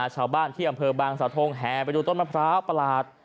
ชาวบ้านที่อำเภอบางสาวทงแห่ไปดูต้นมะพร้าวประหลาด